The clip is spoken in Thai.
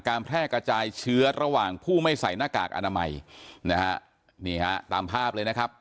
แพร่กระจายเชื้อระหว่างผู้ไม่ใส่หน้ากากอนามัยนะฮะนี่ฮะตามภาพเลยนะครับ